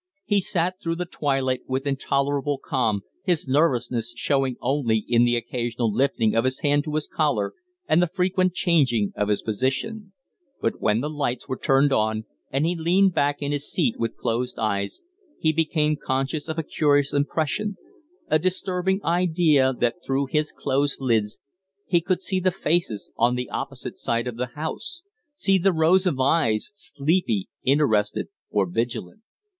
He sat through the twilight with tolerable calm, his nervousness showing only in the occasional lifting of his hand to his collar and the frequent changing of his position; but when the lights were turned on, and he leaned back in his seat with closed eyes, he became conscious of a curious impression a disturbing idea that through his closed lids he could see the faces on the opposite side of the House, see the rows of eyes, sleepy, interested, or vigilant.